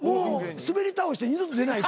スベり倒して二度と出ない。